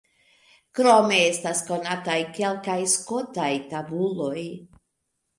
Krome estas konataj kelkaj skotaj tabuloj.